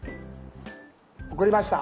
送りました。